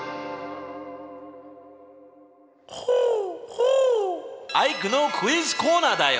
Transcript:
ホホアイクのクイズコーナーだよ。